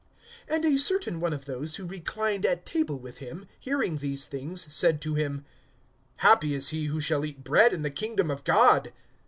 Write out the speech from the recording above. (15)And a certain one of those who reclined at table with him, hearing these things, said to him: Happy is he, who shall eat bread in the kingdom of God!